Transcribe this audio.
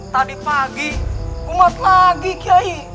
tadi pagi umat lagi kiai